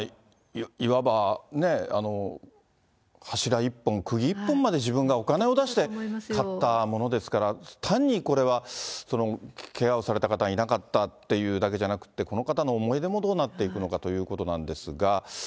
いわばね、柱１本、釘１本まで、自分がお金を出して買ったものですから、単にこれは、けがをされた方がいなかったっていうだけじゃなくて、この方の思い出もどうなっていくのかということなんですが。